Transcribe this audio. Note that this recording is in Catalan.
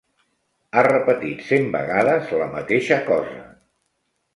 Ha repetit cent vegades la mateixa cosa.